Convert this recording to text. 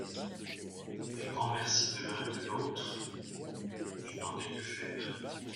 Mais grand merci de l'un et de l'autre : je n'en ai que faire.